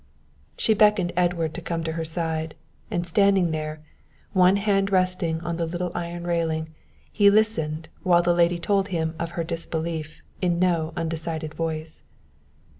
She beckoned Edward to come to her side, and standing there, one hand resting on the little iron railing, he listened while the lady told him of her disbelief in no undecided voice.